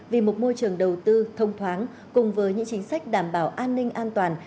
vì một môi trường đầu tư thông thoáng cùng với những chính sách đảm bảo an ninh an toàn